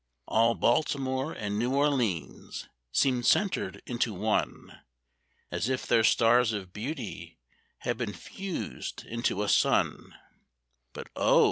All Baltimore and New Orleans seemed centered into one, As if their stars of beauty had been fused into a sun; But, oh!